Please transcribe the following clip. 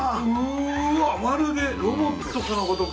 うわまるでロボットかのごとく。